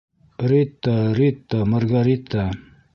Рита, Рита, Маргарита!